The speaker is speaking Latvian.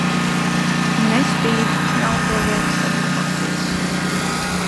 Nespīd, nav ko lieki sadomāties.